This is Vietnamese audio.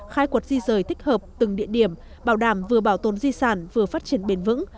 khai quật di rời thích hợp từng địa điểm bảo đảm vừa bảo tồn di sản vừa phát triển bền vững